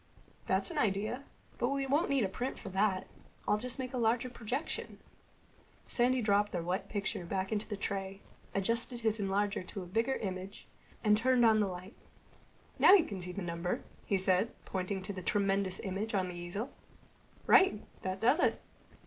"That's an idea. But we won't need a print for that. I'll just make a larger projection." Sandy dropped the wet picture back into the tray, adjusted his enlarger to a bigger image, and turned on the light. "Now you can see the number," he said, pointing to the tremendous image on the easel. "Right. That does it."